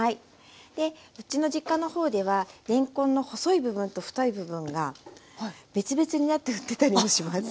うちの実家の方ではれんこんの細い部分と太い部分が別々になって売ってたりもします。